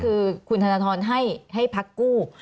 คือคุณธนทรให้พักกู้